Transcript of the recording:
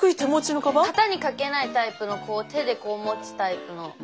肩に掛けないタイプの手でこう持つタイプの。